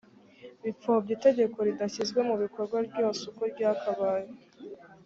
bipfobya itegeko ridashyizwe mu bikorwa ryose uko ryakabaye.